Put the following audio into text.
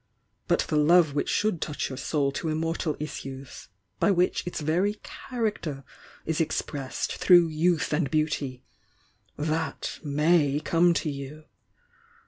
But the love which should touch your soul to immortal issues, and which by its very character is expressed throu^ youth and beauty, — that may come to you!